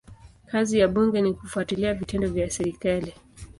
Kazi ya bunge ni kufuatilia vitendo vya serikali.